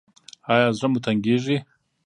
ایا زړه مو تنګیږي؟